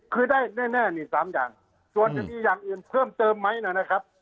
คือได้แน่นี่๓อย่างส่วนจะมีอย่างอื่นเพิ่มเติมไหมนะครับ